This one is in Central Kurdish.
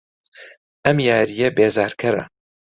ئەم یارییە بێزارکەرە.